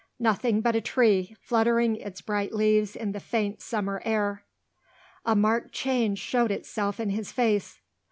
Nothing but a tree, fluttering its bright leaves in the faint summer air. A marked change showed itself in his face.